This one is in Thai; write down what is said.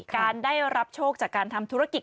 การได้รับโชคจากการทำธุรกิจ